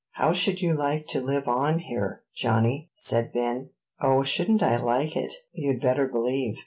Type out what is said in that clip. "How should you like to live on here, Johnnie?" said Ben. "O, shouldn't I like it! you'd better believe."